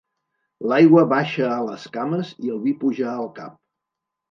L'aigua baixa a les cames i el vi puja al cap.